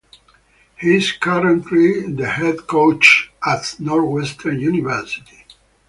He is currently the head coach at Northwestern University.